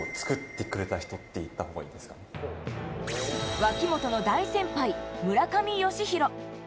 脇本の大先輩・村上義弘。